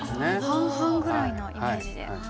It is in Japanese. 半々ぐらいなイメージで。